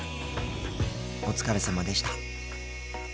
お疲れさまでした。